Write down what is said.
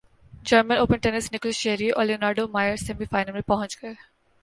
German Open tennis Nicolas Jarry اور Leonardo Mayer semi final میں پہنچ گئے